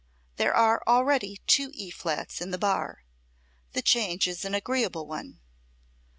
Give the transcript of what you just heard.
There are already two E flats in the bar. The change is an agreeable one.